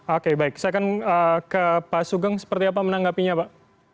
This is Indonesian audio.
oke baik saya akan ke pak sugeng seperti apa menanggapinya pak